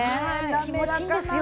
気持ちいいんですよ。